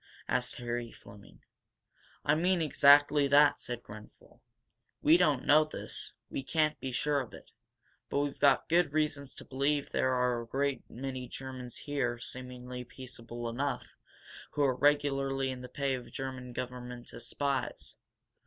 asked Harry Fleming. "I mean exactly that," said Grenfel. "We don't know this we can't be sure of it. But we've got good reason to believe that there are a great many Germans here, seemingly peaceable enough, who are regularly in the pay of the German government as spies.